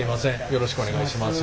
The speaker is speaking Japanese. よろしくお願いします。